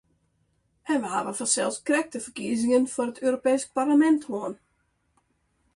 En we hawwe fansels krekt de ferkiezingen foar it Europeesk Parlemint hân.